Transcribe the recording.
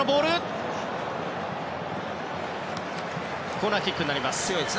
コーナーキックになります。